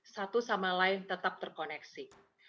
satu sama lain tetap terkoneksi